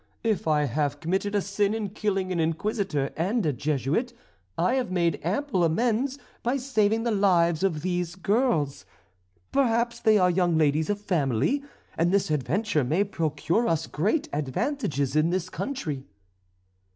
If I have committed a sin in killing an Inquisitor and a Jesuit, I have made ample amends by saving the lives of these girls. Perhaps they are young ladies of family; and this adventure may procure us great advantages in this country."